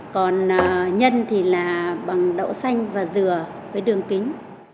còn nhân thì là bằng đậu xanh và dừa với đường kính